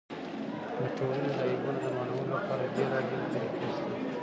د ټولني د عیبونو د معلومولو له پاره بېلابېلې طریقي سته.